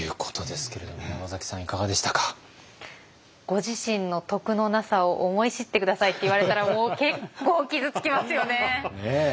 「ご自身の徳のなさを思い知ってください」って言われたらもう結構傷つきますよね。